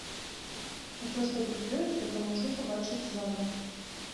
Усё што тут ёсць, гэта можна пабачыць з залы.